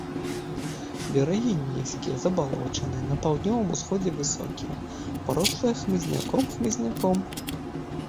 Берагі нізкія, забалочаныя, на паўднёвым-усходзе высокія, парослыя хмызняком хмызняком.